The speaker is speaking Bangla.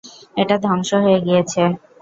এটা ধ্বংস হয়ে গিয়েছে।